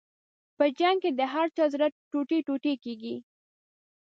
په جنګ کې د هر چا زړه ټوټې ټوټې کېږي.